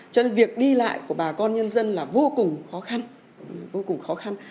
cho nên việc đi lại của bà con nhân dân là vô cùng khó khăn vô cùng khó khăn